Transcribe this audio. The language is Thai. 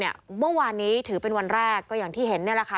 เมื่อวานนี้ถือเป็นวันแรกก็อย่างที่เห็นนี่แหละค่ะ